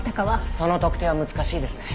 その特定は難しいですね。